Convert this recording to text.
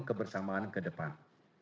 kebersamaan ke depan